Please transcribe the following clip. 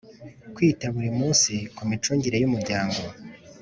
Kwita buri munsi ku micungire y Umuryango